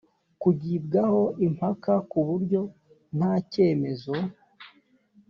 kugibwaho impaka kuburyo nta cyemezo